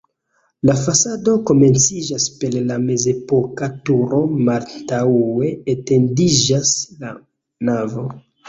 La fasado komenciĝas per la mezepoka turo, malantaŭe etendiĝas la navo.